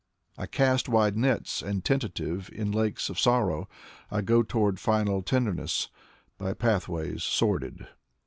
I cast wide nets and tentative In lakes of sorrow. I go toward final tenderness By pathways sordid.